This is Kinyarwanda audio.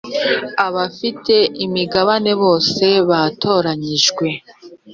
abafite imigabane bose batoranyijwe